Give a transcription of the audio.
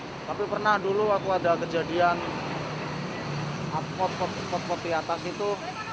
tapi pernah dulu waktu ada kejadian uppot pot di atas itu